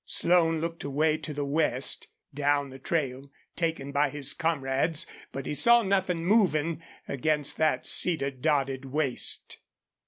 Slone looked away to the west, down the trail taken by his comrades, but he saw nothing moving against that cedar dotted waste.